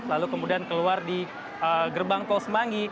lalu kemudian keluar di gerbang tol semanggi